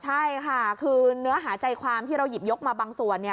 ใช่ค่ะคือเนื้อหาใจความที่เราหยิบยกมาบางส่วนเนี่ย